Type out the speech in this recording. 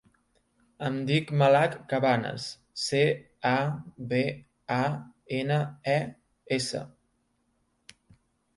Em dic Malak Cabanes: ce, a, be, a, ena, e, essa.